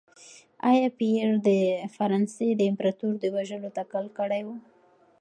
ایا پییر د فرانسې د امپراتور د وژلو تکل کړی و؟